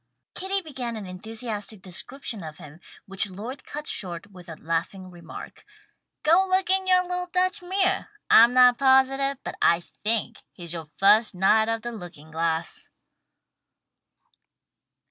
Kitty began an enthusiastic description of him, which Lloyd cut short with the laughing remark, "Go look in your little Dutch mirror. I'm not positive, but I think he's yoah first 'Knight of the Looking glass.'"